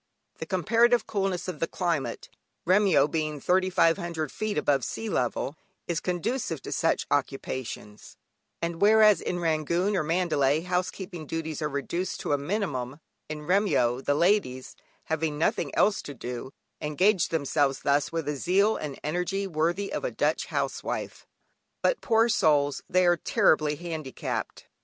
The comparative coolness of the climate (Remyo being 3,500 feet above sea level) is conducive to such occupations, and whereas in Rangoon, or Mandalay, housekeeping duties are reduced to a minimum, in Remyo, the ladies, having nothing else to do, engage themselves thus with a zeal and energy worthy of a Dutch housewife. But, poor souls, they are terribly handicapped!